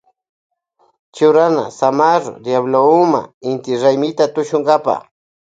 Churana zamarro diablo huma inti raymita tushunkapa.